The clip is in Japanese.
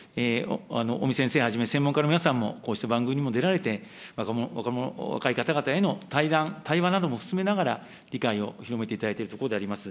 尾身先生はじめ専門家の皆さんも、こうした番組にも出られて、若者、若い方々への対談、対話なども進めながら、理解を広めていただいているところであります。